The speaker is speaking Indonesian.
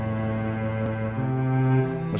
masuk ke kamar